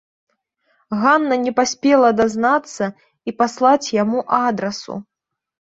Ганна не паспела дазнацца і паслаць яму адрасу.